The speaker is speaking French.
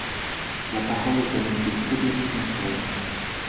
La parole est à Monsieur Frédéric Lefebvre.